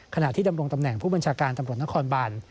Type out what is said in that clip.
ขณะที่ดำรงตำแหน่งผู้บัญชาการตำรวจนครบาน